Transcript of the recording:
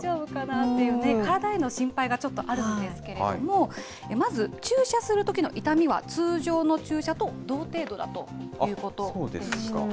体への心配がちょっとあるんですけれども、まず、注射するときの痛みは通常の注射と同程度だということでした。